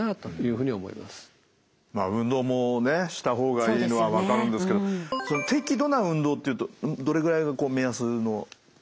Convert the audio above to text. まあ運動もねしたほうがいいのは分かるんですけど適度な運動っていうとどれぐらいが目安の運動になりますか。